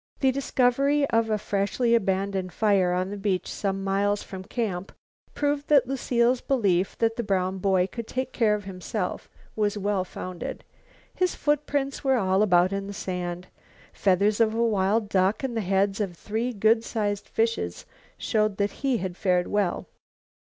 The discovery of a freshly abandoned fire on the beach some miles from camp proved that Lucile's belief that the brown boy could take care of himself was well founded. His footprints were all about in the sand. Feathers of a wild duck and the heads of three good sized fishes showed that he had fared well.